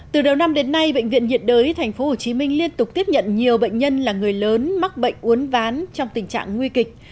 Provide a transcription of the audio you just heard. từ đầu năm đến nay bệnh viện nhiệt đới tp hcm liên tục tiếp nhận nhiều bệnh nhân là người lớn mắc bệnh uốn ván trong tình trạng nguy kịch